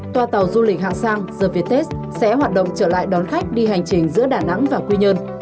tòa tàu du lịch hạng sang gerviettes sẽ hoạt động trở lại đón khách đi hành trình giữa đà nẵng và quy nhơn